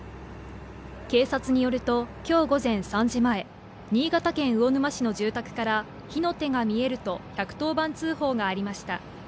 警察によると、きょう午前３時前、新潟県魚沼市の住宅から、火の手が見えると１１０番通報がありました。